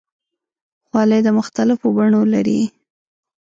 خولۍ د مختلفو بڼو لري.